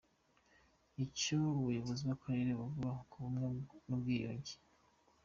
Icyo ubuyobozi bw’Akarere buvuga ku bumwe n’ubwiyunge .